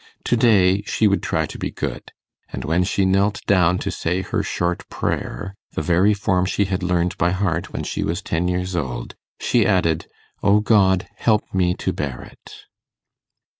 Today she would try to be good; and when she knelt down to say her short prayer the very form she had learned by heart when she was ten years old she added, 'O God, help me to bear it!